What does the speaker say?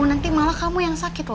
nanti malah kamu yang sakit loh